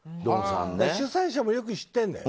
主催者もよく知ってるんだよ。